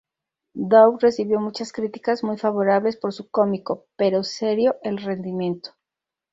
Dow recibió muchas críticas muy favorables por su cómico, pero serio, el rendimiento.